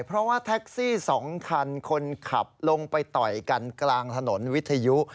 เพราะว่าแท็กซี่๒คันคนขับลงไปต่อยกันกลางถนนวิทยุ